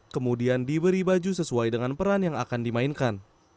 kemudian diberi baju sesuai dengan peran yang akan dimainkan